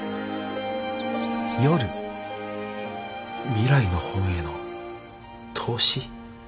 未来の本への投資？